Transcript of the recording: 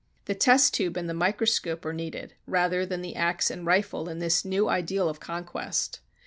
The test tube and the microscope are needed rather than ax and rifle in this new ideal of conquest.